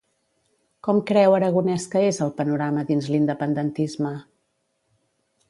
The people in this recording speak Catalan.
Com creu Aragonès que és el panorama dins l'independentisme?